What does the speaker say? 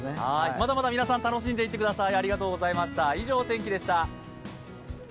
まだまだ皆さん楽しんでいってください。